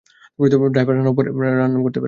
Driver রান্নাও পারে।